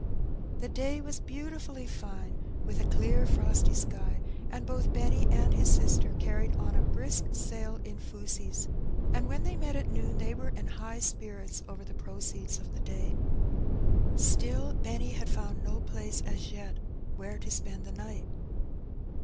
The day was beautifiiUy fine, with a clear frosty sky, and both Benny and his sister carried on a brisk sale in fusees, and when they met at noon they were in high spirits over the proceeds of the day. Still Benny had found no place as yet where to spend the night.